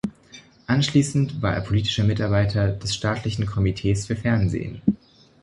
Anschließend war er politischer Mitarbeiter des Staatlichen Komitees für Fernsehen.